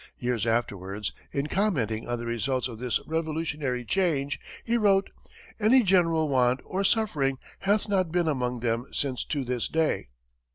Years afterwards, in commenting on the results of this revolutionary change, he wrote, "Any general want or suffering hath not been among them since to this day."